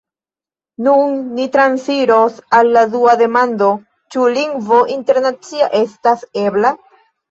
Nun ni transiros al la dua demando: « ĉu lingvo internacia estas ebla?"